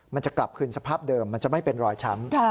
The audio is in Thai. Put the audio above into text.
มันจะกลับคืนสภาพเดิมมันจะไม่เป็นรอยช้ำ